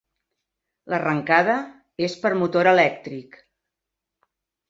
L'arrencada és per motor elèctric.